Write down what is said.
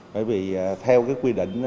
bởi vì theo cái quy định